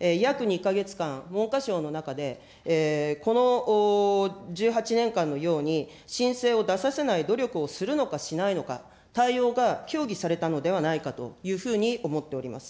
約２か月間、文科省の中でこの１８年間のように、申請を出させない努力をするのかしないのか、対応が協議されたのではないかというふうに思っております。